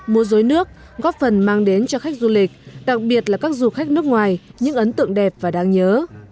mùa dối nước góp phần mang đến cho khách du lịch đặc biệt là các du khách nước ngoài những ấn tượng đẹp và đáng nhớ